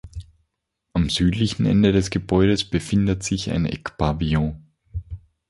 Am Südlichen Ende des Gebäudes befindet sich ein Eckpavillon.